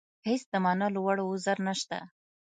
هېڅ د منلو وړ عذر نشته.